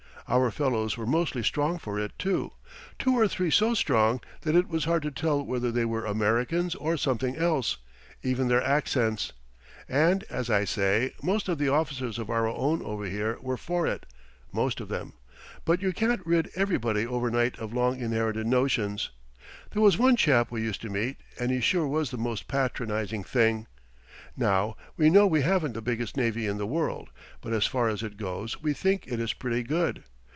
Our fellows were mostly strong for it, too two or three so strong that it was hard to tell whether they were Americans or something else even their accents. And, as I say, most of the officers of our own over here were for it most of them. But you can't rid everybody overnight of long inherited notions. There was one chap we used to meet, and he sure was the most patronizing thing! Now, we know we haven't the biggest navy in the world, but as far as it goes we think it is pretty good.